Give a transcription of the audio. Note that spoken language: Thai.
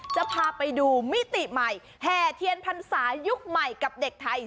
จะพาไปดูมิติใหม่แห่เทียนพรรษายุคใหม่กับเด็กไทย